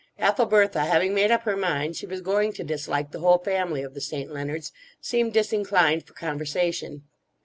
Ethelbertha, having made up her mind she was going to dislike the whole family of the St. Leonards, seemed disinclined for conversation.